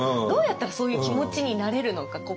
どうやったらそういう気持ちになれるのか。